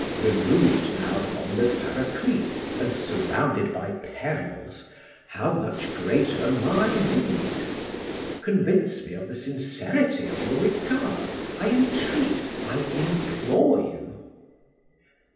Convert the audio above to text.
Removed now from the Paraclete, and surrounded by perils, how much greater my need! Convince me of the sincerity of your regard, I entreat, I implore you.